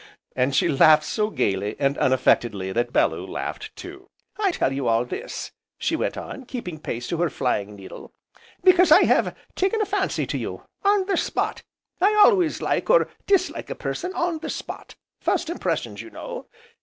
and she laughed so gaily, and unaffectedly, that Bellew laughed too. "I tell you all this," she went on, keeping pace to her flying needle, "because I have taken a fancy to you on the spot! I always like, or dislike a person on the spot, first impressions you know!